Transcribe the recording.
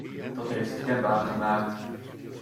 Dat heeft het kenbaar gemaakt.